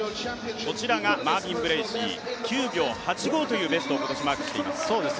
こちらがマービン・ブレーシー９秒８５というベストをマークしています。